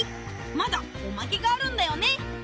まだおまけがあるんだよね？